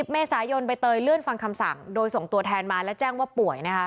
เมษายนใบเตยเลื่อนฟังคำสั่งโดยส่งตัวแทนมาและแจ้งว่าป่วยนะคะ